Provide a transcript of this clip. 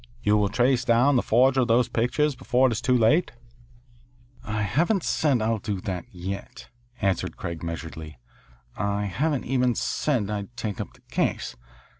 "You will trace down the forger of those pictures before it is too late?" "I haven't said I'll do that yet," answered Craig measuredly. "I haven't even said I'd take up the case.